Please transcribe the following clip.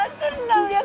aku tidak pernah cooking